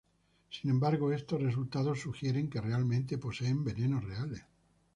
Sin embargo, estos resultados sugieren que realmente poseen venenos reales.